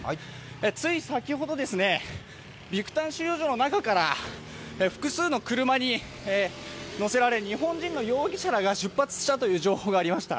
つい先ほど、ビクタン収容所の中から複数の車に乗せられ日本人の容疑者らが出発したという情報がありました。